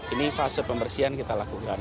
ini fase pembersihan kita lakukan